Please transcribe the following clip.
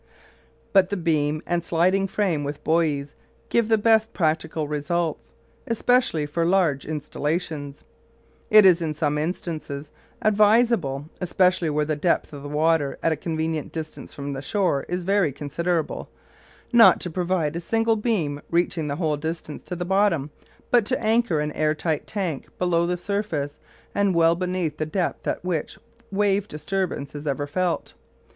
But the beam and sliding frame, with buoys, give the best practical results, especially for large installations. It is in some instances advisable, especially where the depth of the water at a convenient distance from the shore is very considerable, not to provide a single beam reaching the whole distance to the bottom, but to anchor an air tight tank below the surface and well beneath the depth at which wave disturbance is ever felt.